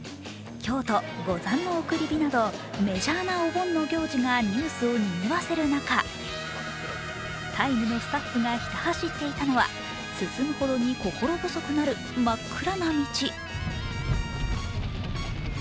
京都・五山送り火などメジャーなお盆の行事がニュースを賑わせる中、「ＴＩＭＥ，」のスタッフがひた走っていたのは進むほどに心細くなる真っ暗な道。